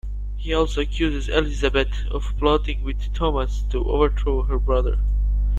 He also accuses Elizabeth of plotting with Thomas to overthrow her brother.